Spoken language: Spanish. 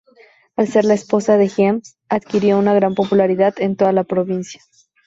Al ser la esposa de Güemes, adquirió una gran popularidad en toda la provincia.